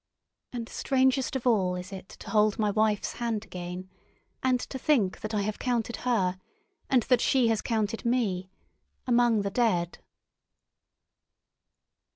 ... And strangest of all is it to hold my wife's hand again, and to think that I have counted her, and that she has counted me, among the dead.